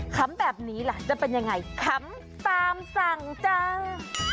คำแบบนี้ล่ะจะเป็นยังไงขำตามสั่งจ้า